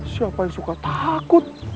siapa yang suka takut